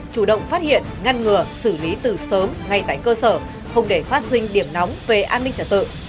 chủ động phát hiện ngăn ngừa xử lý từ sớm ngay tại cơ sở không để phát sinh điểm nóng về an ninh trật tự